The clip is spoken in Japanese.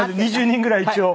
２０人ぐらい一応。